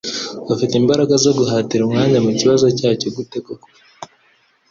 Ufite imbaraga zo guhatira umwanya mukibazo cyacyo gute koko